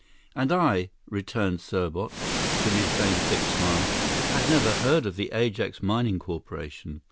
"And I," rejoined Serbot, with his same fixed smile, "had never heard of the Ajax Mining Corporation."